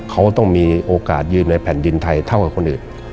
เขาต้องมีโอกาสยืนในแผ่นดินไทยเท่ากับคนอื่น